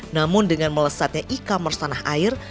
namun dengan melesatnya e commerce tanah air